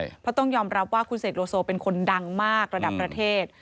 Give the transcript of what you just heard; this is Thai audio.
เพราะต้องยอมรับว่าคุณเสกโลโซเป็นคนดังมากระดับประเทศ